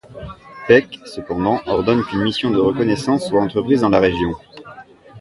Peck, cependant, ordonne qu'une mission de reconnaissance soit entreprise dans la région.